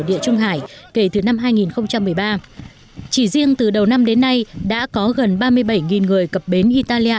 địa trung hải kể từ năm hai nghìn một mươi ba chỉ riêng từ đầu năm đến nay đã có gần ba mươi bảy người cập bến italia